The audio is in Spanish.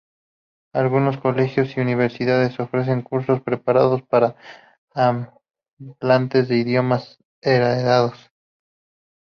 Algunos colegios y universidades ofrecen cursos preparados para hablantes de idiomas heredados.